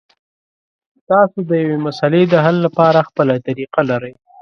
تاسو د یوې مسلې د حل لپاره خپله طریقه لرئ.